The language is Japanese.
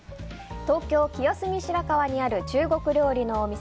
東京・清澄白河にある中国料理のお店